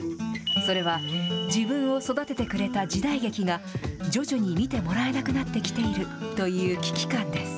それは、自分を育ててくれた時代劇が、徐々に見てもらえなくなってきているという危機感です。